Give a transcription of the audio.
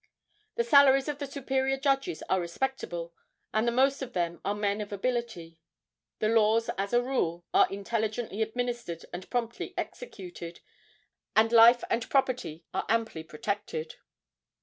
The salaries of the superior judges are respectable, and the most of them are men of ability. The laws, as a rule, are intelligently administered and promptly executed, and life and property are amply protected.